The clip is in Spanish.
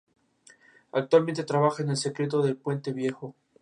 Actualmente trabaja en "El secreto de Puente Viejo".